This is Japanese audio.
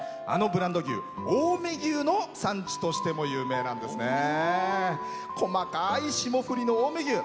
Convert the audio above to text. あのブランド牛近江牛の産地としても有名なんですね。